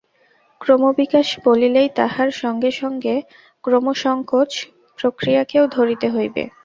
ক্রমবিকাশ বলিলেই তাহার সঙ্গে সঙ্গে ক্রমসঙ্কোচ-প্রক্রিয়াকেও ধরিতে হইবে।